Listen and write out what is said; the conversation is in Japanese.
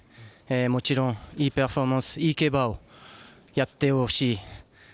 もちろん、いいパフォーマンスいい競馬をやってほしい。